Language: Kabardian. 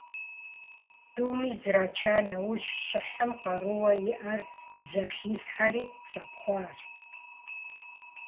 ТӀуми зрача нэужь, щыхьым къарууэ иӀэр зэхилъхьэри щӀэпхъуащ.